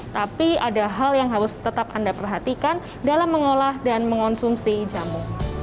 tapi ada hal yang harus tetap anda perhatikan dalam mengolah dan mengonsumsi jamu